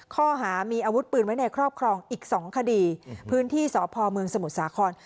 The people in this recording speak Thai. ข้อหามีอาวุธปืนไว้ในครอบครองอีก๒คดีพื้นที่สพเมืองสมุทรสาคร